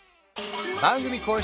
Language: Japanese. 番組公式